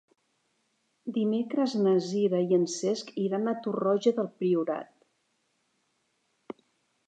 Dimecres na Sira i en Cesc iran a Torroja del Priorat.